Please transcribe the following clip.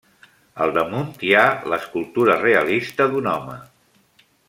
Al damunt hi ha l'escultura realista d'un home.